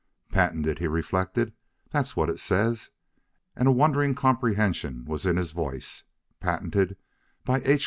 "Patented," he reflected; "that's what it says," and a wondering comprehension was in his voice: "patented by H.